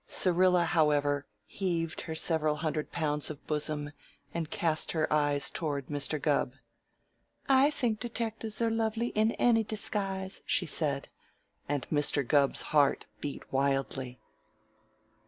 Syrilla, however, heaved her several hundred pounds of bosom and cast her eyes toward Mr. Gubb. "I think detectives are lovely in any disguise," she said, and Mr. Gubb's heart beat wildly.